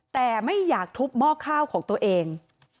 แต่ไม่อยากทุบหม้อข้าวของตัวเอง